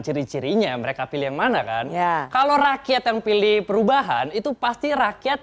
ciri cirinya mereka pilih yang mana kan ya kalau rakyat yang pilih perubahan itu pasti rakyat